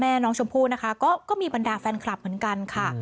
แม่น้องชมพู่นะคะก็มีบรรดาแฟนคลับเหมือนกันค่ะ